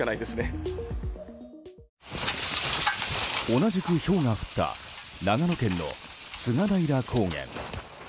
同じく、ひょうが降った長野県の菅平高原。